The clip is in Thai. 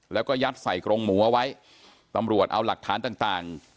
แล้วก็ยัดใส่กรงหมูเอาไว้ตำรวจเอาหลักฐานต่าง